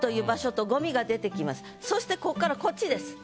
そしてここからこっちです。